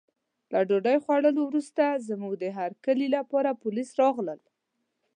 له ډوډۍ خوړو وروسته زموږ د هرکلي لپاره پولیس راغلل.